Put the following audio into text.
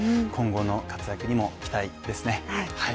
今後の活躍にも期待ですね。